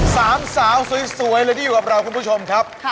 สามสาวสวยเลยที่อยู่กับเราคุณผู้ชมครับ